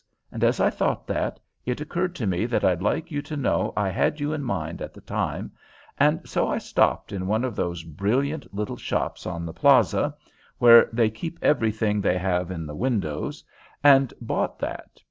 and, as I thought that, it occurred to me that I'd like you to know I had you in mind at the time, and so I stopped in one of those brilliant little shops on the plaza, where they keep everything they have in the windows, and bought that.